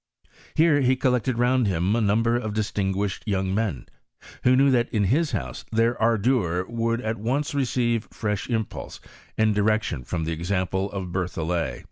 Hem he collected round him a number of distinguished young men, who knew that in his house their ardour would at once receive fresh impulse and dircctioa from the example of Berthollet.